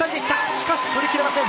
しかし取りきれません。